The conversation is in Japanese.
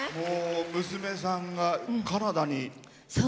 娘さんが、カナダに。